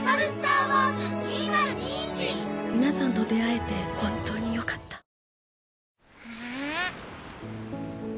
皆さんと出会えて本当によかった。